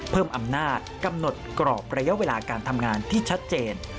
เพิ่มอำนาจกำหนดกรอบระยะเวลาการทำงานที่ชัดเจน